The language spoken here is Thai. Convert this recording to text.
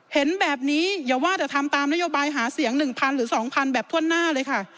เห็นแบบนี้อย่าว่าแต่ทำตามนโยบายหาเสียง๑๐๐หรือ๒๐๐แบบถ้วนหน้าเลยค่ะ